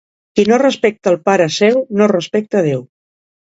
Qui no respecta el pare seu, no respecta Déu.